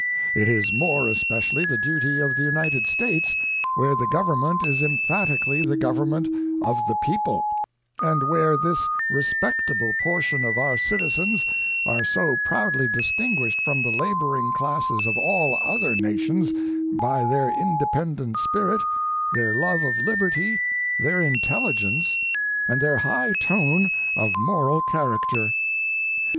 It is more especially the duty of the United States, where the Government is emphatically the Government of the people, and where this respectable portion of our citizens are so proudly distinguished from the laboring classes of all other nations by their independent spirit, their love of liberty, their intelligence, and their high tone of moral character.